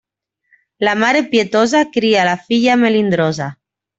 La mare pietosa cria la filla melindrosa.